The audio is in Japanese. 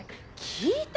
聞いた？